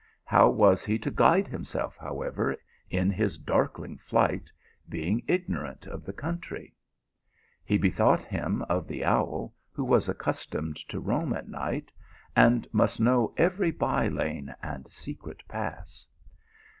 How was he to guide himself, however, in his darkling flight, being ignorant of the country. He bethought him of the owl, who was accustomed to roam at night, and must know every by lane and secret pass.